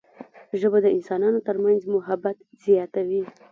ژبه د انسانانو ترمنځ محبت زیاتوي